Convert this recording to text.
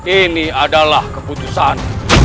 ini adalah keputusan